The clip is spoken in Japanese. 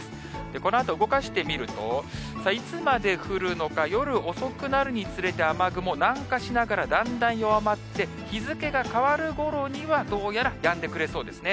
このあと、動かしてみると、いつまで降るのか、夜遅くなるにつれて、雨雲、南下しながらだんだん弱まって、日付が変わるごろにはどうやら、やんでくれそうですね。